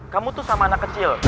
kamu tuh sama anak kecil